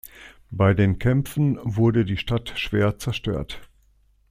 Bei den Kämpfen wurde die Stadt schwer zerstört.